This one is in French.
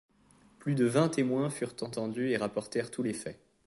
Plus de vingt témoins furent entendus et rapportèrent tous les faits.